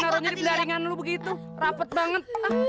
ntaronya di pendaringan lu begitu rapet banget